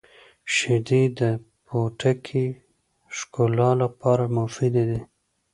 • شیدې د پوټکي ښکلا لپاره مفیدې دي.